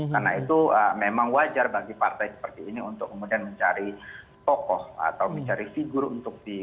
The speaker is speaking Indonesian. karena itu memang wajar bagi partai seperti ini untuk kemudian mencari tokoh atau mencari figur untuk di